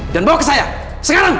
dan bawa ke saya sekarang